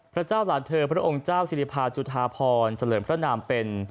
พระเจ้าหลานเธอพระองค์เจ้าสิริภาจุธาพรเฉลิมพระนามเป็น